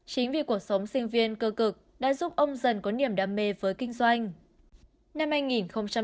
chính vì cuộc sống sinh viên cơ cực đã giúp ông dần có niềm đam mê với kinh doanh